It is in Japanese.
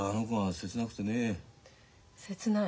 切ない？